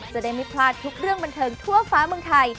จะได้ไม่พลาดทุกเรื่องบันเทิงทั่วฟ้าเมืองไทย